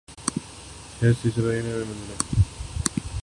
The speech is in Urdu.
فیضؔ تھی راہ سر بسر منزل